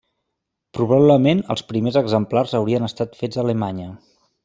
Probablement els primers exemplars haurien estat fets a Alemanya.